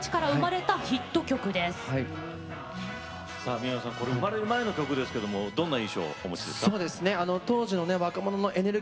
宮野さん生まれる前の曲ですがどんな印象を受けましたか。